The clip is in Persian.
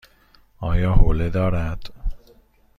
آیا حوله دارد؟